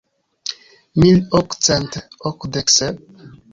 Mil okcent okdek sep?